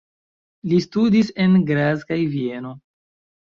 Li studis en Graz kaj Vieno.